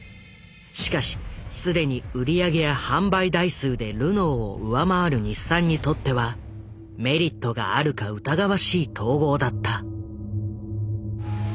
しかしすでに売り上げや販売台数でルノーを上回る日産にとってはメリットがあるか疑わしい統合だった。